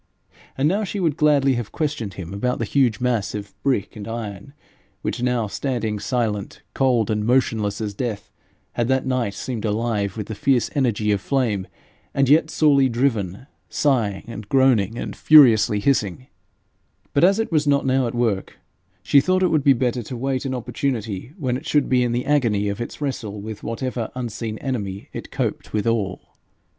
And now she would gladly have questioned him about the huge mass of brick and iron, which, now standing silent, cold, and motionless as death, had that night seemed alive with the fierce energy of flame, and yet sorely driven, sighing, and groaning, and furiously hissing; but as it was not now at work, she thought it would be better to wait an opportunity when it should be in the agony of its wrestle with whatever unseen enemy it coped withal.